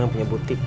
emang punya butik